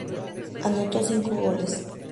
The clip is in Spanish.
Anotó cinco goles.